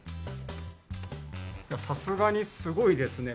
さすがにすごいですね。